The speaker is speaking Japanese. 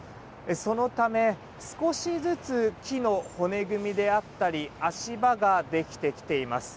そのため少しずつ木の骨組みであったり足場ができてきています。